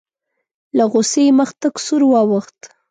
له غوسې یې مخ تک سور واوښت.